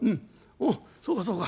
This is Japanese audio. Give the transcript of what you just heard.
おおそうかそうか。